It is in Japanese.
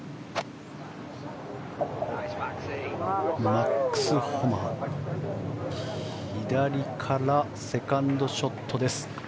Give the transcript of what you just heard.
マックス・ホマは左からセカンドショット。